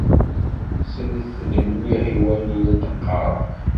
Slet-d mliḥ i wayen i la d-qqaṛeɣ.